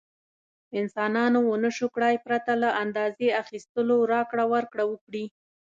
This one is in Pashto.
انسانانو ونشو کړای پرته له اندازې اخیستلو راکړه ورکړه وکړي.